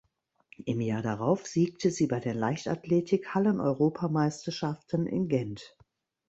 Im Jahr darauf siegte sie bei den Leichtathletik-Halleneuropameisterschaften in Gent.